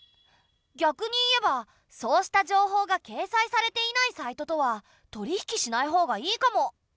逆に言えばそうした情報が掲載されていないサイトとは取り引きしないほうがいいかも。